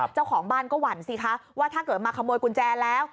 เจ้าของบ้านก็หวั่นสิคะว่าถ้าเกิดมาขโมยกุญแจแล้ว